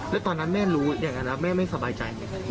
แล้วตอนนั้นแม่รู้อย่างนั้นแล้วแม่ไม่สบายใจ